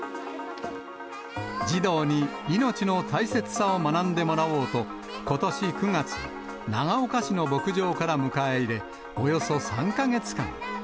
児童に命の大切さを学んでもらおうと、ことし９月、長岡市の牧場から迎え入れ、およそ３か月間。